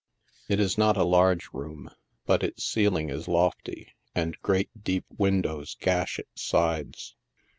It is not a large room, but its calling is lofty, and great deep windows gash its sides.